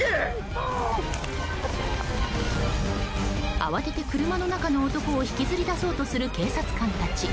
慌てて車の中の男を引きずり出そうとする警察官たち。